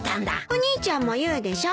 お兄ちゃんも言うでしょ？